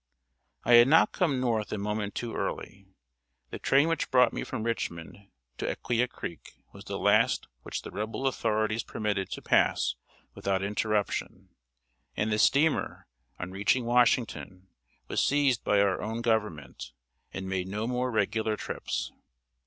] I had not come north a moment too early. The train which brought me from Richmond to Acquia Creek was the last which the Rebel authorities permitted to pass without interruption, and the steamer, on reaching Washington, was seized by our own Government, and made no more regular trips.